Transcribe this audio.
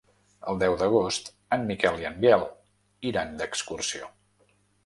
El deu d'agost en Miquel i en Biel iran d'excursió.